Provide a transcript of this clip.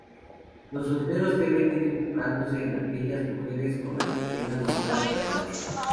Los solteros deben ir enfocándose en aquellas mujeres con las que tengan mayor afinidad.